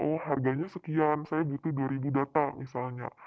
oh harganya sekian saya butuh dua ribu data misalnya